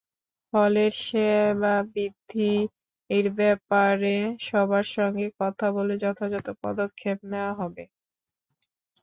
হলের সেবা বৃদ্ধির ব্যাপারে সবার সঙ্গে কথা বলে যথাযথ পদক্ষেপ নেওয়া হবে।